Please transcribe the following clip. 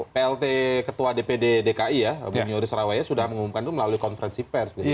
plt ketua dpd dki ya bunyori sarawaya sudah mengumumkan itu melalui konferensi pers